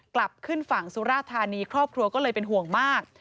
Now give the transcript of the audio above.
กลับขึ้นฝั่งสุราธานีครอบครัวก็เลยเป็นห่วงมาก